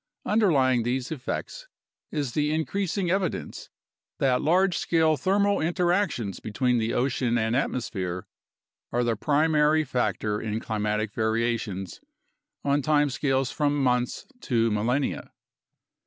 Underlying these effects is the increas ing evidence that large scale thermal interactions between the ocean and atmosphere are the primary factor in climatic variations on time scales from months to millenia.